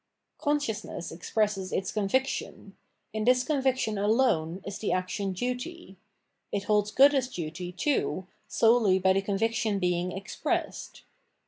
Consciousness expresses its convic tion : in this conviction alone is the action duty : it holds good as duty, too, solely by the conviction being erpreesed.